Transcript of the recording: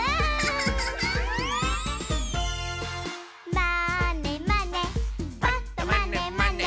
「まーねまねぱっとまねまね」